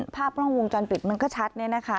ภาพร่องวงจรปิดมันก็ชัดเนี่ยนะคะ